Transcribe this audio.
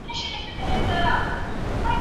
قلمي خط د تناسب او توازن د درک سبب ګرځي.